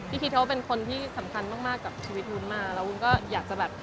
คิดเขาเป็นคนที่สำคัญมากมากกับชีวิตวุ้นมากแล้ววุ้นก็อยากจะแบบ